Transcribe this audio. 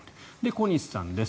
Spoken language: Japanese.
小西さんです。